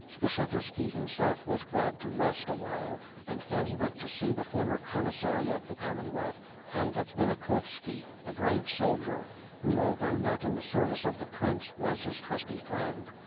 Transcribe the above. Skshe tuski himself was glad to rest awhile, and then he went to see the former Commissary of the Commonwealth, Pftn Zats vilikhovski, a brave soldier, who although not in the service of the Prince, was his trusty friend.